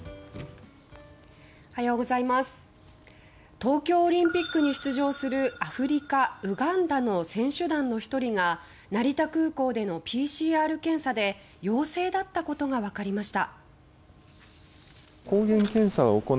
東京オリンピックに出場するアフリカ・ウガンダの選手団の１人が成田空港でのＰＣＲ検査で陽性だったことが分かりました。